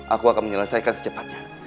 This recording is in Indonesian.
aku akan menyelesaikan secepatnya